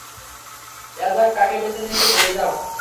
অ্যাজাক কাকে বেছে নিয়েছে ভুলে যাও।